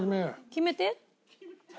「決めて」？